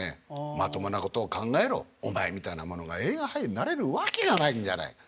「まともなことを考えろお前みたいな者が映画俳優になれるわけがないじゃない。